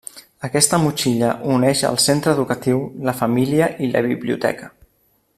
Aquesta motxilla uneix el centre educatiu, la família i la biblioteca.